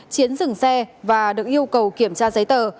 chiến dừng xe và được yêu cầu kiểm tra giấy tờ